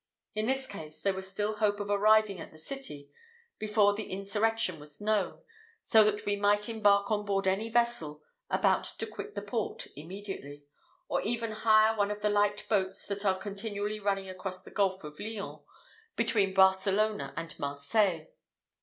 In this case there was still hope of arriving at the city before the insurrection was known, so that we might embark on board any vessel about to quit the port immediately, or even hire one of the light boats that are continually running across the Gulf of Lyons, between Barcelona and Marseilles.